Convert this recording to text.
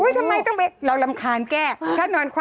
นอนได้ก็ทำตลอดว่าก่อนค่ะ